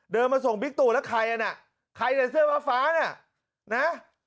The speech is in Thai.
เดินมาส่งบิ๊กตูแล้วใครน่ะใครในเสื้อฟ้าน่ะนะ